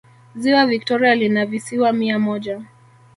ziwa victoria lina visiwa mia moja